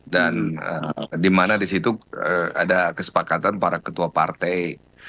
dan dimana disitu ada kesepakatan para ketua partai